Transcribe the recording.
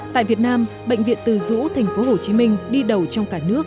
tại việt nam bệnh viện từ dũ tp hcm đi đầu trong cả nước